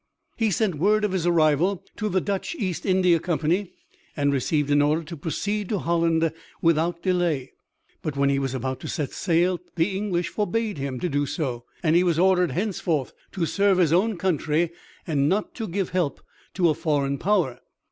He sent word of his arrival to the Dutch East India Company and received an order to proceed to Holland without delay but when he was about to set sail the English forbade him to do so and he was ordered henceforth to serve his own country and not to give help to a foreign power.